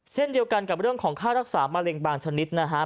เช่นเดียวกันกับเรื่องของค่ารักษามะเร็งบางชนิดนะฮะ